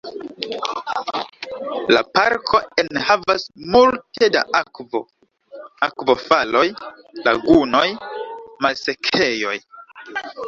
La parko enhavas multe da akvo: akvofaloj, lagunoj, malsekejoj.